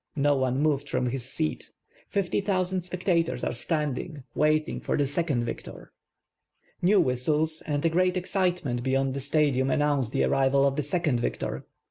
No one moved from his seat. Fifty thousand spectators are standing waiting for the second victor. New whistles and a great excitement beyond the Staditun an nounce the arrival of the second victor.